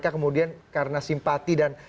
kemudian karena simpati dan